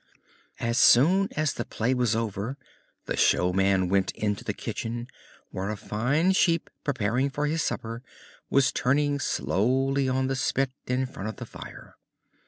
As soon as the play was over the showman went into the kitchen, where a fine sheep, preparing for his supper, was turning slowly on the spit in front of the fire.